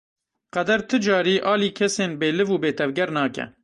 Qeder ti carî alî kesên bêliv û bêtevger nake.